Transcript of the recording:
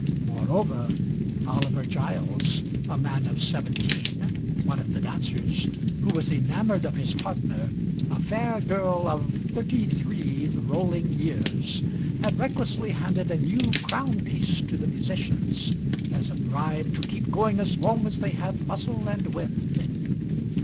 Moreover, Oliver Giles, a man of seventeen, one of the dancers, who was enamoured of his partner, a fair girl of thirty three rolling years, had recklessly handed a new crown piece to the musicians as a bribe to keep going as long as they had muscle and wind.